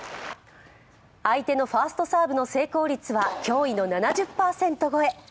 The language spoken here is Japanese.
相手のファーストサーブの成功率は驚異の７０％超え。